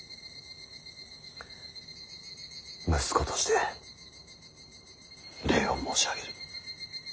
息子として礼を申し上げる。